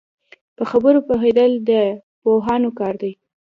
په خبرو پوهېدل د پوهانو کار دی